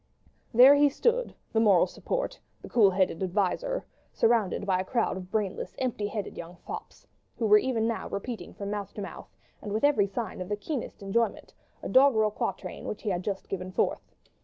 There he stood, the moral support, the cool headed adviser, surrounded by a crowd of brainless, empty headed young fops, who were even now repeating from mouth to mouth, and with every sign of the keenest enjoyment, a doggerel quatrain which he had just given forth.